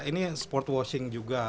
ini sport washing juga